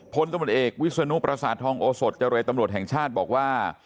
พลตมเอกวิศนุปราศาสตร์ทองโอสดจริงตำรวจแห่งชาติบอกว่า